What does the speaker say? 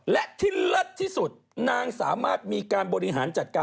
และที่เลิศที่สุดนางสามารถมีการบริหารจัดการ